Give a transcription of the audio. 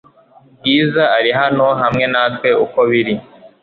Bwiza ari hano hamwe natwe uko biri